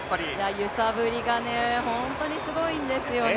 揺さぶりが本当にすごいんですよね。